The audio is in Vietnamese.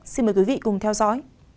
xin mời quý vị cùng theo dõi